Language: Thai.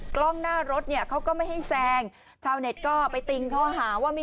กล้องหน้ารถเนี่ยเขาก็ไม่ให้แซงชาวเน็ตก็ไปติงเขาหาว่าไม่